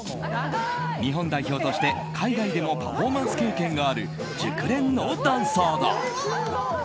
日本代表として、海外でもパフォーマンス経験がある熟練のダンサーだ。